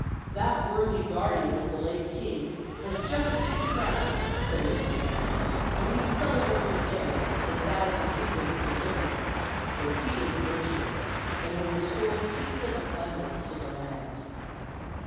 "That worthy guard ian of the late king has just been crowned," said an old man, "and we celebrate the day as that of the kingdom's deliverance; for he is virtuous, and will restore peace and abundance to the land."